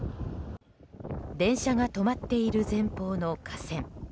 電車が止まっている前方の架線。